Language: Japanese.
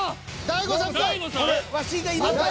大悟さん